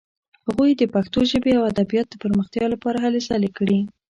هغوی د پښتو ژبې او ادب د پرمختیا لپاره هلې ځلې کړې.